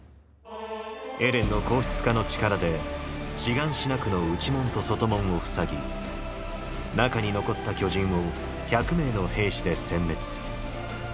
エレンの硬質化の力でシガンシナ区の内門と外門を塞ぎ中に残った巨人を１００名の兵士で殲滅。